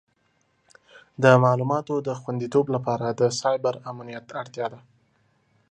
د معلوماتو د خوندیتوب لپاره د سایبر امنیت اړتیا ده.